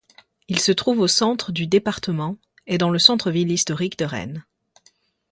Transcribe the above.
Il se trouve au centre du département et dans le centre-ville historique de Rennes.